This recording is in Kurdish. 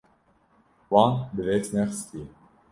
Wan bi dest nexistiye.